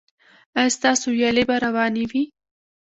ایا ستاسو ویالې به روانې وي؟